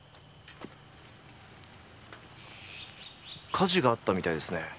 火事があったみたいですね。